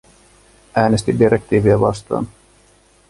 Äänestin direktiiviä vastaan.